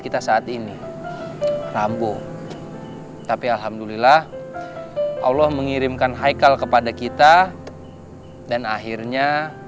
kita saat ini rambu tapi alhamdulillah allah mengirimkan haikal kepada kita dan akhirnya